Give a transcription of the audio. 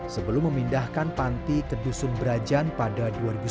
sebelum memindahkan panti ke dusun berajan pada dua ribu sembilan belas